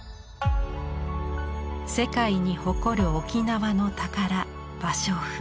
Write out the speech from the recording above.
世界に誇る沖縄の宝芭蕉布。